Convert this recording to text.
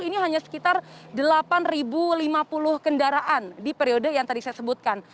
ini hanya sekitar delapan lima puluh kendaraan di periode yang tadi saya sebutkan